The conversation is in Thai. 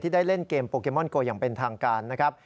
ได้เล่นเกมโปเกมอนโกอย่างเป็นทางการนะครับ